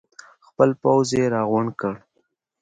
خپل پوځ یې راغونډ کړ.